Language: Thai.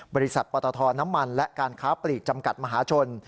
ปตทน้ำมันและการค้าปลีกจำกัดมหาชน